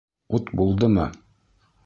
Ут булдымы?